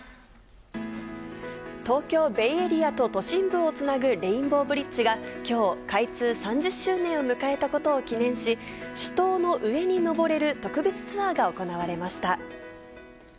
東京ベイエリアと都心部をつなぐレインボーブリッジがきょう、開通３０周年を迎えたことを記念し、主塔の上に上れる特別ツアーが行われました。